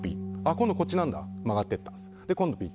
今度こっちなんだ曲がっていった。